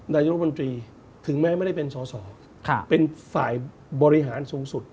นายกรมนตรีถึงแม้ไม่ได้เป็นสอสอเป็นฝ่ายบริหารสูงสุด